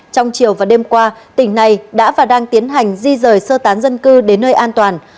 trong chiều và đêm qua tỉnh này đã và đang tiến hành di rời sơ tán dân cư đến nơi an toàn